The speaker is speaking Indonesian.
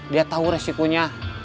dia tahu resikonya